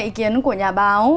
ý kiến của nhà báo